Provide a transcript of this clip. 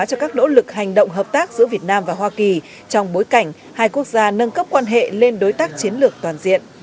cho các nỗ lực hành động hợp tác giữa việt nam và hoa kỳ trong bối cảnh hai quốc gia nâng cấp quan hệ lên đối tác chiến lược toàn diện